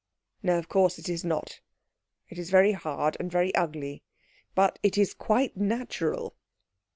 "No, of course it is not. It is very hard and very ugly, but it is quite natural.